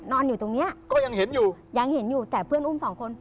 อยู่ตรงเนี้ยก็ยังเห็นอยู่ยังเห็นอยู่แต่เพื่อนอุ้มสองคน